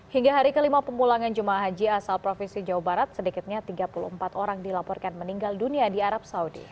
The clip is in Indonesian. hingga hari kelima pemulangan jemaah haji asal provinsi jawa barat sedikitnya tiga puluh empat orang dilaporkan meninggal dunia di arab saudi